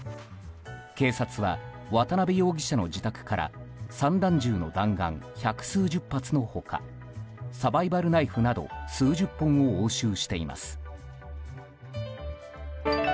警察は渡辺容疑者の自宅から散弾銃の弾丸百数十発の他サバイバルナイフなど数十本を押収しています。